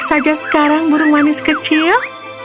bisa saja sekarang burung manis kecil